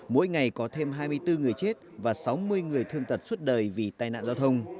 mỗi ngày có thêm hai mươi bốn người chết và sáu mươi người thương tật suốt đời vì tai nạn giao thông